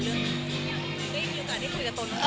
คุณยังมีโอกาสได้คุยกับโตโน่